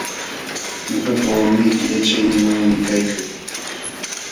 Ñuqapa walmi killachayninwanmi kaykan.